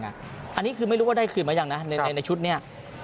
คืออันนี้ไม่รู้ว่าได้ขึนมาหรือยังในชุดนี้